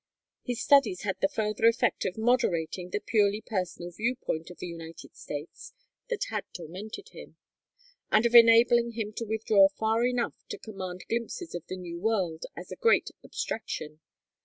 His studies had the further effect of moderating the purely personal viewpoint of the United States that had tormented him, and of enabling him to withdraw far enough to command glimpses of the New World as a great abstraction.